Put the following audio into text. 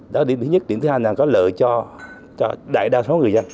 đó là điểm thứ nhất điểm thứ hai là có lợi cho đại đa số người dân